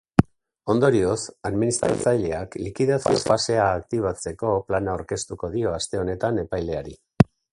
Ondorioz, administraileak likidazio fasea aktibatzeko plana aurkeztuko dio aste honetan epaileari.